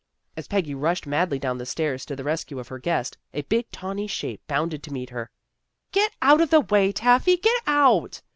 " As Peggy rushed madly down the stairs to the rescue of her guest, a big tawny shape bounded to meet her. "Get out of the way, Taffy. Get out!"